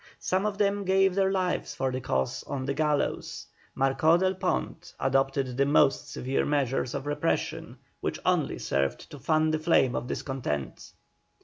Some of them gave their lives for the cause on the gallows. Marcó del Pont adopted the most severe measures of repression, which only served to fan the flame of discontent.